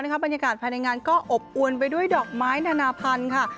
ในสามีทางเองก็อบอวนไปด้วยดอกไม้นานาพันธุ์ค่ะ